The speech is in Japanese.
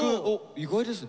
意外ですね。